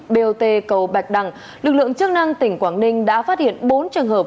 bot cầu bạch đăng lực lượng chất năng tỉnh quảng ninh đã phát hiện bốn trường hợp